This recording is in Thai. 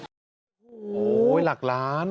โอ้โหหลักล้าน